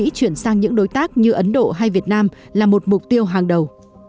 mỹ chuyển sang những đối tác như ấn độ hay việt nam là một mục tiêu hàng đầu